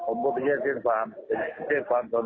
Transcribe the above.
ก็คือต่างเรียกย้ายครับ